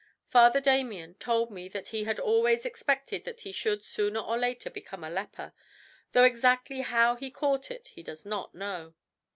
Father Damien told me that he had always expected that he should sooner or later become a leper, though exactly how he caught it he does not know.